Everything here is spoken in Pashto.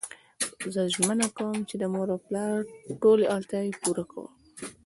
زه ژمنه کوم چی د مور او پلار ټولی اړتیاوی پوره کړم